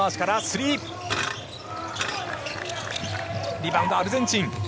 リバウンドはアルゼンチンです。